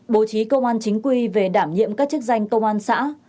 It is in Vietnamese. bố trí công an chính quy về đảm nhiệm các chức danh công an xã